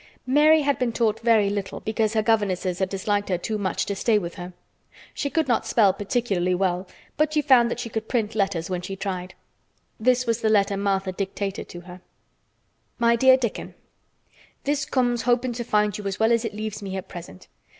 Mary had been taught very little because her governesses had disliked her too much to stay with her. She could not spell particularly well but she found that she could print letters when she tried. This was the letter Martha dictated to her: "My Dear Dickon: This comes hoping to find you well as it leaves me at present.